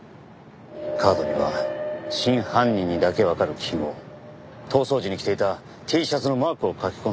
カードには真犯人にだけわかる記号逃走時に着ていたＴシャツのマークを描き込んだ。